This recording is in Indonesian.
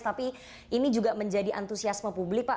tapi ini juga menjadi antusiasme publik pak